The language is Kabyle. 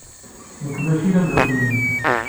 Nekk maci d ameddakel-nnem.